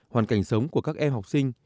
hoàn cảnh sống của các em học sinh